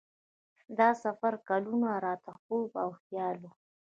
دا سفر کلونه راته خوب او خیال و.